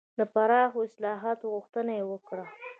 د پراخو اصلاحاتو غوښتنه یې وکړه.